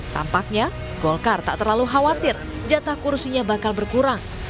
tampaknya golkar tak terlalu khawatir jatah kursinya bakal berkurang